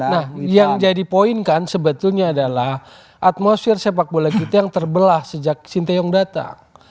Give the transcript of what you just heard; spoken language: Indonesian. nah yang jadi poin kan sebetulnya adalah atmosfer sepak bola kita yang terbelah sejak sinteyong datang